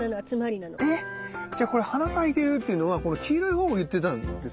え⁉じゃあこれ花咲いてるっていうのはこの黄色いほうを言ってたんですね。